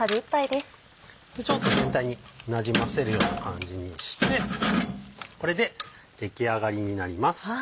ちょっと全体になじませるような感じにしてこれで出来上がりになります。